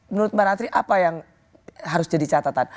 menurut mbak ratri apa yang harus jadi catatan